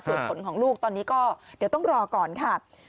ส่วนผลของลูกตอนนี้ก็เดี๋ยวต้องรอก่อนค่ะ